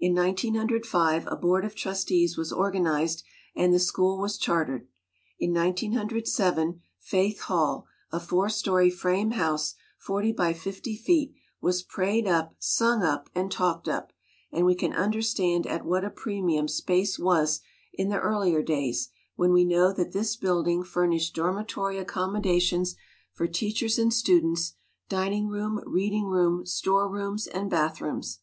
In 1905 a Board of Trustees was organized and the school was chartered. In 1907 Faith Hall, a four story frame house, forty by fifty feet, was "prayed up, sung up, and talked up;" and we can understand at what a premium space was in the earlier days when we know that this building furnished dormitory accommoda tions for teachers and students, dining room, reading room, storerooms, and bathrooms.